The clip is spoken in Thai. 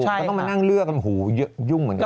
ก็ต้องมานั่งเลือกกันหูยุ่งเหมือนกัน